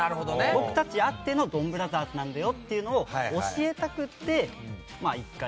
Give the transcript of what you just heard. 僕たちあってのドンブラザーズなんだよというのを教えたくて、１回。